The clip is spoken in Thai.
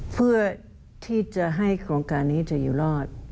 เพื่อที่จะให้โครงการนี้เธออยู่รอด